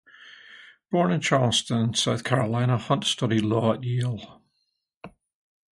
Born in Charleston, South Carolina, Hunt studied law at Yale.